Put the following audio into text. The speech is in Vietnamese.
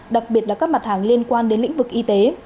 đặc biệt là các mặt hàng liên quan đến lĩnh vực y tế